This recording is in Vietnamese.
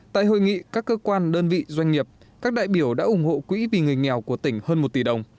tại hội nghị các cơ quan đơn vị doanh nghiệp các đại biểu đã ủng hộ quỹ vì người nghèo của tỉnh hơn một tỷ đồng